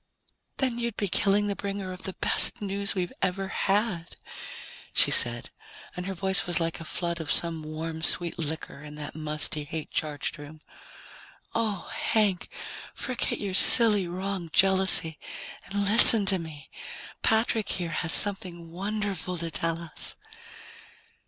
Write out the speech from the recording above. "Then you'd be killing the bringer of the best news we've ever had," she said, and her voice was like a flood of some warm sweet liquor in that musty, hate charged room. "Oh, Hank, forget your silly, wrong jealousy and listen to me. Patrick here has something wonderful to tell us."